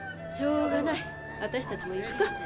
しょうがない私たちも行くか。